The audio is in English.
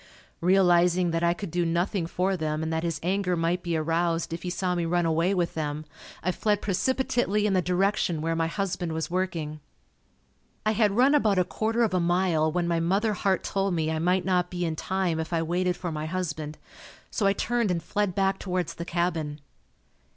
Realizing that I could do nothing for them and that his anger might be aroused if he saw me run away with them, I fled precipitately in the direction where my husband was working. I had run about a quarter of a mile when my mother heart told me I might not be in time if I waited for my husband, so I turned and fled back towards the cabin.